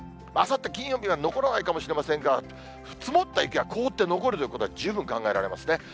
あさって金曜日は残らないかもしれませんが、積もった雪は凍って残るということは十分考えられますね。